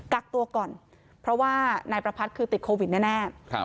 กักตัวก่อนเพราะว่านายประพัทธ์คือติดโควิดแน่